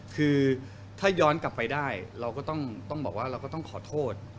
คือถ้าย้อนกลับไปได้เราก็ต้องบอกว่าเราก็ต้องขอโทษ